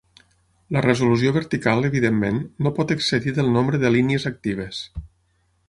La resolució vertical evidentment, no pot excedir del nombre de línies actives.